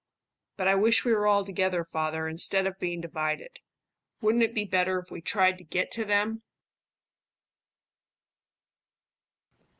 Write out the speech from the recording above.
"But I wish we were all together, father, instead of being divided. Wouldn't it be better if we tried to get to them?"